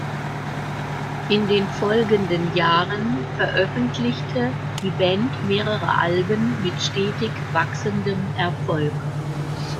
In den folgenden Jahren veröffentlichte die Band mehrere Alben mit stetig wachsendem Erfolg.